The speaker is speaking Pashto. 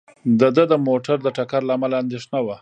د ده د موټر د ټکر له امله اندېښنه وه.